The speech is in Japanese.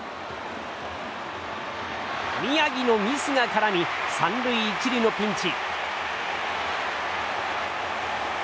宮城のミスが絡み３塁１塁のピンチ。